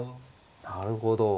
なるほど。